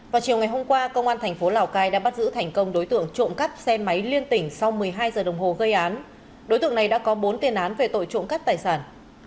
vào chiều ngày hôm qua công an thành phố lào cai đã bắt giữ thành công đối tượng trộm cắp xe máy liên tỉnh sau một mươi hai giờ đồng hồ gây án đối tượng này đã có bốn tiền án về tội trộm cắt tài sản